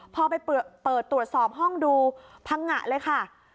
พอไปเปิดตรวจสอบห้องดูพังงะเลยค่ะ